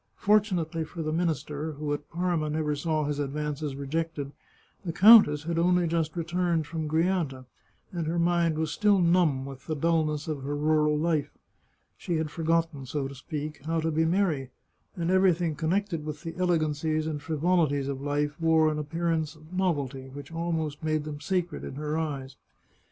Fortunately for the minister, who at Parma never saw his advances rejected, the countess had only just returned from Grianta, and her mind was still numb with the dulness of her rural life. She had forgotten, so to speak, how to be merry, and everything connected with the elegancies and frivolities of life wore an appearance of novelty which almost made them sacred in her eyes.